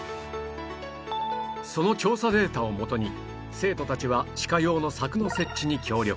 その調査データを元に生徒たちはシカ用の柵の設置に協力